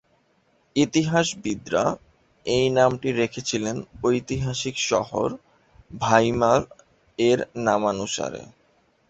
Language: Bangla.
ইতিহাসবিদরা এই নামটি রেখেছিলেন ঐতিহাসিক শহর ভাইমার-এর নামানুসারে।